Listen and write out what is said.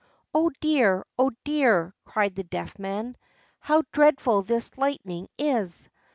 "Oh dear! oh dear!" cried the Deaf Man, "how dreadful this lightning is!